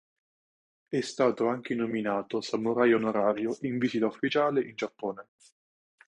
È stato anche nominato samurai onorario in visita ufficiale in Giappone.